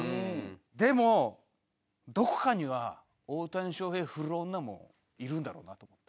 でもどこかには大谷翔平振る女もいるんだろうなと思って。